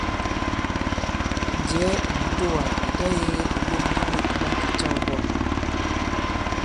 Njɛ̀ɛ ì mùtoà ì ta-yēgē ìɓok di ɓôt ɓa kè-câw bɔ̂l.